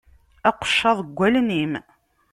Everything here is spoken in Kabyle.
Aqeccaḍ deg wallen-im!